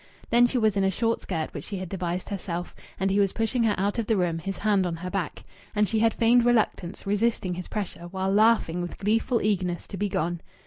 Then she was in a short skirt which she had devised herself, and he was pushing her out of the room, his hand on her back. And she had feigned reluctance, resisting his pressure, while laughing with gleeful eagerness to be gone.